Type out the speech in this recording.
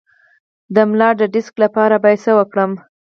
د ملا د ډیسک لپاره باید څه وکړم؟